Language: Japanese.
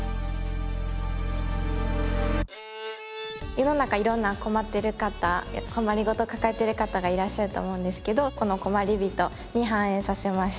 世の中色んな困ってる方困り事を抱えてる方がいらっしゃると思うんですけどこの困りびとに反映させました。